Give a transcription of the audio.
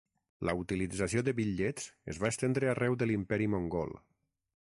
La utilització de bitllets es va estendre arreu de l'imperi mongol.